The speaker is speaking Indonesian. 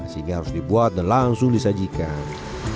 sehingga harus dibuat dan langsung disajikan